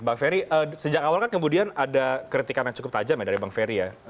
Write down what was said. bang ferry sejak awal kan kemudian ada kritikan yang cukup tajam ya dari bang ferry ya